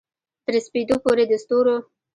تر سپیدو پوري د ستورو